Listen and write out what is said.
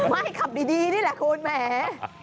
ไม่ขับดีนี่แหละคุณแหม